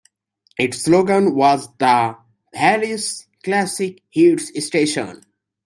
Its slogan was The Valley's Classic Hits Station.